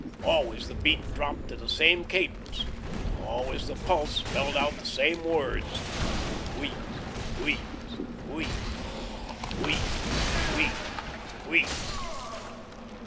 Always the beat dropped to the same cadence, always the pulse spelled out the same words: "Wheat wheat wheat, wheat wheat wheat."